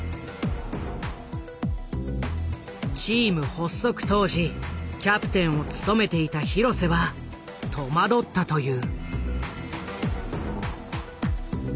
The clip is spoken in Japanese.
チーム発足当時キャプテンを務めていた廣瀬は戸惑ったという。